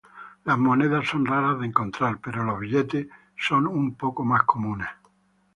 Las monedas son raras de encontrar, pero los billetes son un poco más comunes.